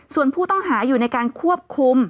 ส่วนผู้ต้องหาอยู่ในการควบคุม